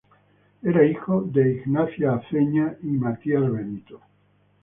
Era hijo de Matías Benito e Ignacia Aceña.